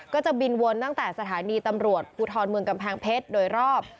ก็จะบินวนตั้งแต่สถานีตำรวจภูทรเมืองกำแพงเพชรโดยรอบ